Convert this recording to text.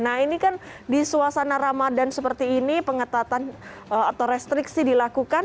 nah ini kan di suasana ramadan seperti ini pengetatan atau restriksi dilakukan